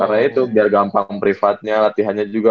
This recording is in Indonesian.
karena itu biar gampang privatnya latihannya juga